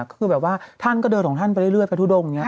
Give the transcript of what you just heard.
ก็คือแบบว่าท่านก็เดินของท่านไปเรื่อยไปทู่ดง